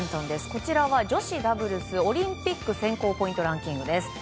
こちらは女子ダブルスオリンピック選考ポイントランキングです。